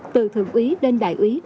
từ thượng ý đến đại ý